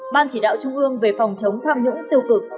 ban chỉ đạo trung ương về phòng chống tham nhũng tiêu cực